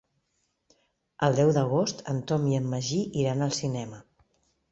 El deu d'agost en Tom i en Magí iran al cinema.